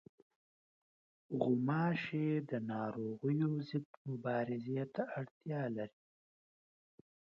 غوماشې د ناروغیو ضد مبارزې ته اړتیا لري.